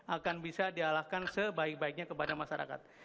akan bisa dialahkan sebaik baiknya kepada masyarakat